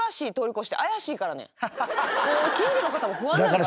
近所の方も不安なるから。